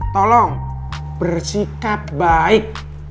tolong bersikap baik